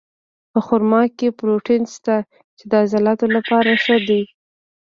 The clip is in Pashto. په خرما کې پروټین شته، چې د عضلاتو لپاره ښه دي.